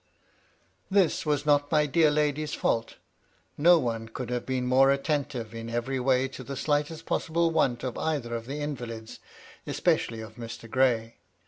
This was not my dear lady's &ult ; no one could have been more attentive in every way to the slightest possible want of either of the invalids, especially of Mr. Gray.